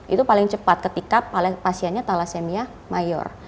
itu paling cepat ketika pasiennya thalassemia mayor